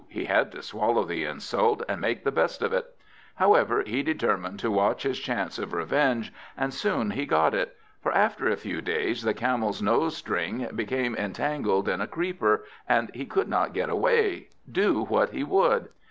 He had to swallow the insult, and make the best of it. However, he determined to watch his chance of revenge; and soon he got it. For after a few days, the Camel's nose string became entangled in a creeper, and he could not get away, do what he would.